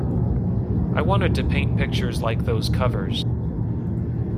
I wanted to paint pictures like those covers.